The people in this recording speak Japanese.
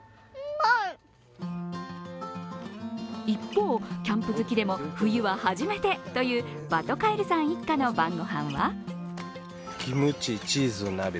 一方、キャンプ好きでも冬は初めてというバトカイルさん一家の晩御飯は？